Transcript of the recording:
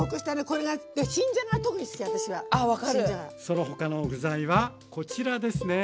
その他の具材はこちらですね。